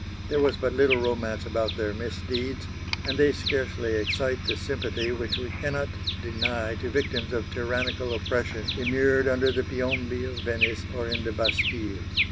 There was but little romance about their misdeeds, and they scarcely excite the sympathy which we cannot deny to victims of tyrannical oppression immured under the Piombi of Venice or in the Bastile.